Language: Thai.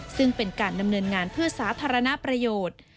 ซึ่งเป็นการดำเนินงานเพื่อสาธารณประโยชน์